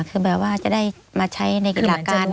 คือแบบว่าจะได้มาใช้ในกีฬาการ